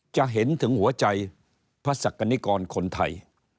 จะเห็นถึงหัวใจพระศักดิกรคนไทย